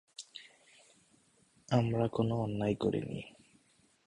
আমরা কোনো অন্যায় করিনি।